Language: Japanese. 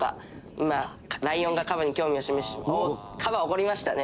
「今ライオンがカバに興味を示して」「カバ怒りましたね」